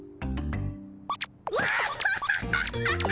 ワハハハハハ。